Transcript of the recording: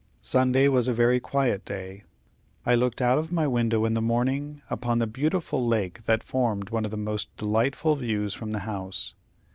Sunday was a very quiet day. I looked out of my window in the morning, upon the beautiful lake that formed one of the most delightful views from the house.